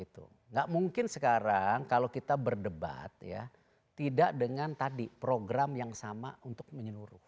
tidak mungkin sekarang kalau kita berdebat ya tidak dengan tadi program yang sama untuk menyeluruh